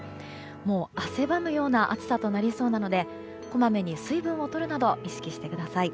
もう汗ばむような暑さとなりそうなのでこまめに水分をとるなど意識してください。